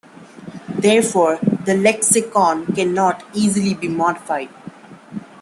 Therefore, the lexicon cannot easily be modified.